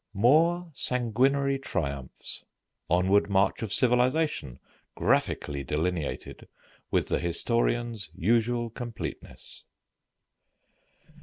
MORE SANGUINARY TRIUMPHS: ONWARD MARCH OF CIVILIZATION GRAPHICALLY DELINEATED WITH THE HISTORIAN'S USUAL COMPLETENESS.